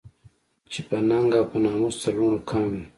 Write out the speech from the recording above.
چې په ننګ او په ناموس تر لوڼو کم وي